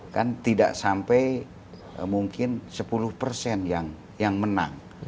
kan tidak sampai mungkin sepuluh persen yang menang